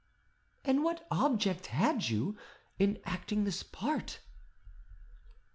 "And what object had you, in acting this part?"